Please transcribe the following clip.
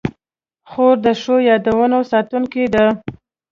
خور د ښو یادونو ساتونکې ده.